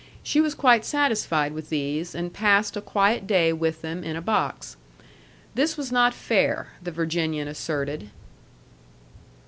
She was quite satisfied with these, and passed a quiet day with them in a box. This was not fair, the Virginian asserted.